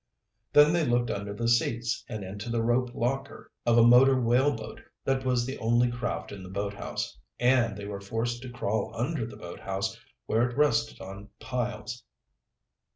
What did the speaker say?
Then they looked under the seats and into the rope locker of a motor whaleboat that was the only craft in the boathouse, and they were forced to crawl under the boathouse where it rested on piles.